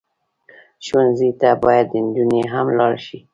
ښوونځی ته باید نجونې هم لاړې شي